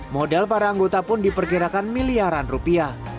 modal para anggota pun diperkirakan miliaran rupiah